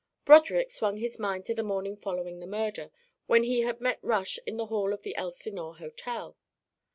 Broderick swung his mind to the morning following the murder, when he had met Rush in the hall of the Elsinore Hotel.